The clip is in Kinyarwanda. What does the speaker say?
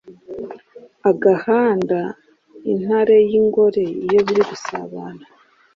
agahanda intare y’ingore iyo biri gusabana